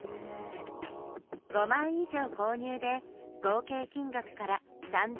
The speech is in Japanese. ５枚以上購入で合計金額から３５００円引き。